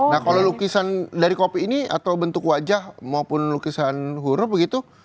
nah kalau lukisan dari kopi ini atau bentuk wajah maupun lukisan huruf begitu